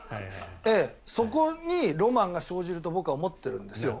そこにロマンが生じると僕は思ってるんですよ。